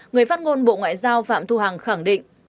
người phát ngôn bộ ngoại giao phạm thu hằng khẳng định